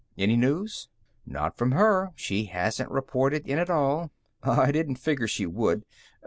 "Any news?" "Not from her; she hasn't reported in at all." "I didn't figure she would.